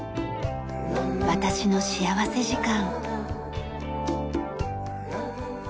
『私の幸福時間』。